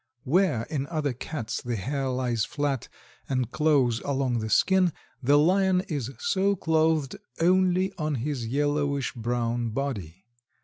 Where, in other cats, the hair lies flat and close along the skin, the Lion is so clothed only on his yellowish brown body.